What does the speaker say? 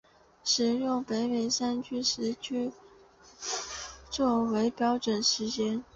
使用北美山区时区作为标准时间。